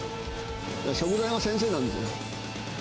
食材が先生なんですよ。